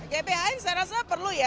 gbhn saya rasa perlu ya